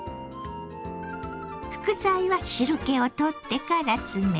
副菜は汁けを取ってから詰めて。